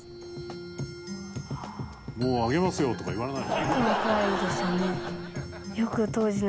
「もうあげますよとか言われない？」